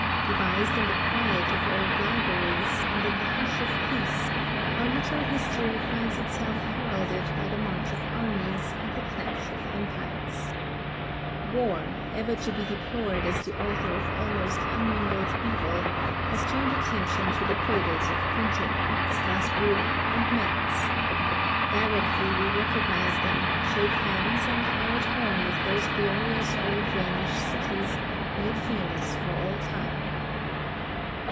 Devised in the quiet of old libraries, and in the hush of peace, our little history finds itself heralded by the march of armies, and the clash of empires. War, ever to be deplored as the author of almost unmingled evil, has turned attention to the cradles of printing, Strasbourg and Mentz. Directly we recognize them, shake hands, and are at home with those glorious old Rhenish cities, made famous for all time.